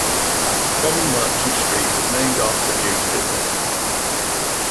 Coral Merchant Street was named after the Jews' business.